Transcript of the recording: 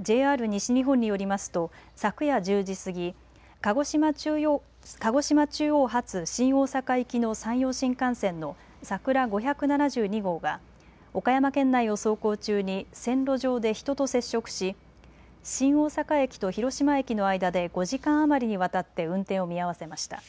ＪＲ西日本によりますと昨夜１０時過ぎ鹿児島中央発新大阪行きの山陽新幹線のさくら５７２号が岡山県内を走行中に線路上で人と接触し、新大阪駅と広島駅の間で５時間余りにわたって運転を見合わせました。